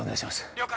了解